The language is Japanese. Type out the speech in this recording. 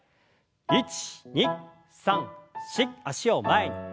１２３４脚を前に。